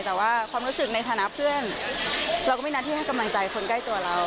แต่ว่าความรู้สึกในฐานะเพื่อนเราก็ไม่นัดที่ให้กำลังใจคนใกล้ตัวเรา